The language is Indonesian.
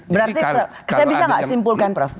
berarti saya bisa nggak simpulkan prof